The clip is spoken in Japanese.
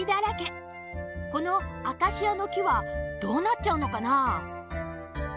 このアカシアのきはどうなっちゃうのかなあ？